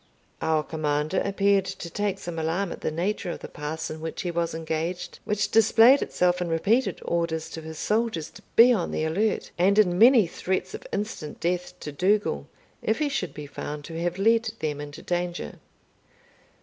Our commander appeared to take some alarm at the nature of the pass in which he was engaged, which displayed itself in repeated orders to his soldiers to be on the alert, and in many threats of instant death to Dougal, if he should be found to have led them into danger.